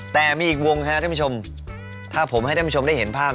แต่มีอีกวงครับท่านผู้ชมถ้าผมให้ท่านผู้ชมได้เห็นภาพ